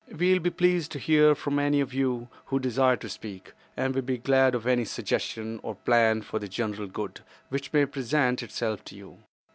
"We will be pleased to hear from any of you who desire to speak, and will be glad of any suggestion, or plan for the general good which may present itself to you.